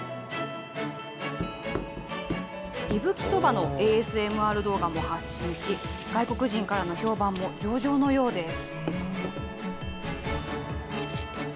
伊吹そばのＡＳＭＲ動画も発信し、外国人からの評判も上々のようです。